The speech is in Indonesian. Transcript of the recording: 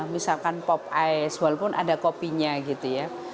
misalkan pop ice walaupun ada kopinya gitu ya